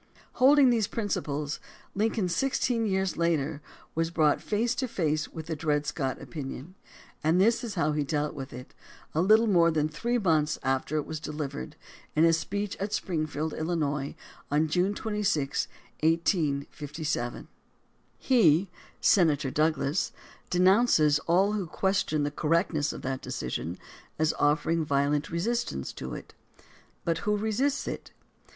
THE DEMOCRACY OF ABRAHAM LINCOLN 143 Holding these principles^ Lincoln sixteen years later was brought face to face with the Dred Scott opinion, and this is how he dealt with it, a little more than three months after it was delivered, in a speech at Springfield, Illinois, on June 26, 1857: He (Senator Douglas) denounces all who question the cor rectness of that decision, as offering violent resistance to it. But who resists it